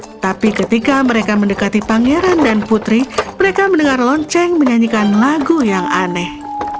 tetapi ketika mereka mendekati pangeran dan putri mereka mendengar lonceng menyanyikan lagu yang aneh